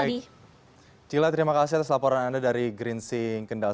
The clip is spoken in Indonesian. cikgu lila terima kasih atas laporan anda dari greensync kendal